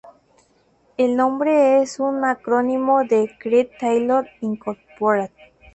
El nombre es un acrónimo de Creed Taylor Incorporated.